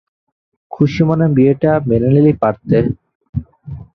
খুশি মনে বিয়েটা মেনে নিলেই পারতে।